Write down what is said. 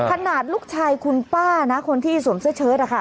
ขนาดลูกชายคุณป้านะคนที่สวมเสื้อเชิดนะคะ